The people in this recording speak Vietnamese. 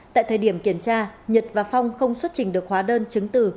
tại thời điểm kiểm tra nhật và phong không xuất trình được hóa đơn chứng từ